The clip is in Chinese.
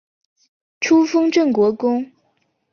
初封镇国公。